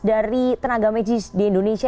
dari tenaga medis di indonesia